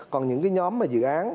còn những cái nhóm mà dự án